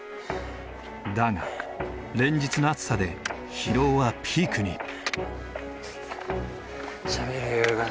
だが連日の暑さで疲労はピークに。